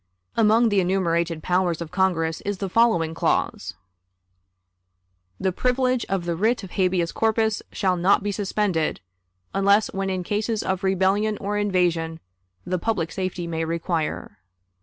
Among the enumerated powers of Congress is the following clause: "The privilege of the writ of habeas corpus shall not be suspended, unless when in cases of rebellion or invasion the public safety may require."